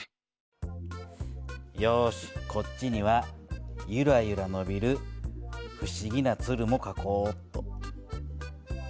よしこっちにはゆらゆらのびる不思議なつるもかこおっと。